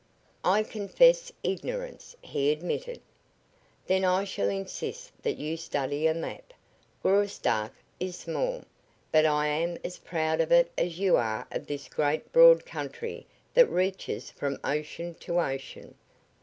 "I confess ignorance," he admitted. "Then I shall insist that you study a map. Graustark is small, but I am as proud of it as you are of this great broad country that reaches from ocean to ocean.